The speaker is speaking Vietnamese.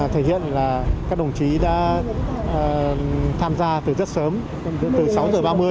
thể hiện là các đồng chí đã tham gia từ rất sớm đến từ sáu h ba mươi